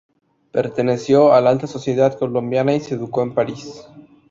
Perteneció a la alta sociedad colombiana y se educó en París.